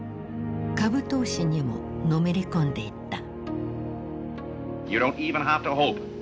株投資にものめり込んでいった。